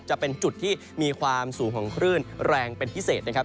จะเป็นจุดที่มีความสูงของคลื่นแรงเป็นพิเศษนะครับ